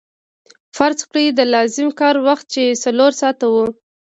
فرض کړئ د لازم کار وخت چې څلور ساعته وو